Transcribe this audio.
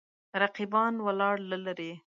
رقیبان ولاړ له لرې.